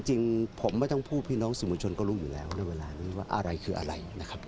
จริงผมไม่ต้องพูดพี่น้องสีบุญชนก็รู้อะไรคืออะไร